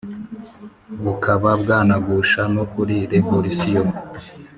bukaba bwanagusha no kuri révolution,